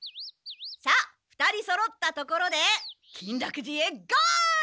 さあ２人そろったところで金楽寺へゴー！